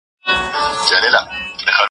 موبایل د زده کوونکي له خوا کارول کيږي!